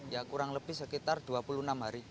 ya kurang lebih sekitar dua puluh enam hari